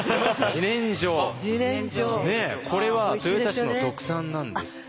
自然薯これは豊田市の特産なんですって。